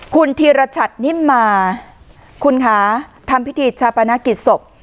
คุณธีรชัตนิมมาคุณคะทำพิธีชาปนกิจศพ